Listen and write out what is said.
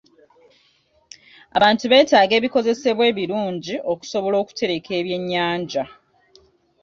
Abantu beetaaga ebikozesebwa ebirungi okusobola okutereka ebyennyanja.